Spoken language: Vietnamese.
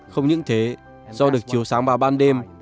không những thế do được chiều sáng vào ban đêm